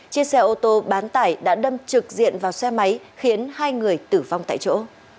chiếc xe ô tô bán tải đã đâm trực diện vào xe máy khiến hai người tử vong tại chỗ